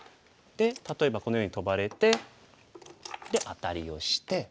例えばこのようにトバれてでアタリをして。